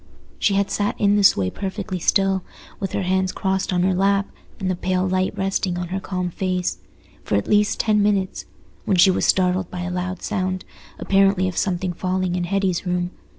She had sat in this way perfectly still, with her hands crossed on her lap and the pale light resting on her calm face, for at least ten minutes when she was startled by a loud sound, apparently of something falling in Hetty's room.